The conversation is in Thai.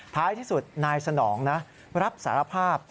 ท้ายที่สุดนายสนองนะรับสารภาพ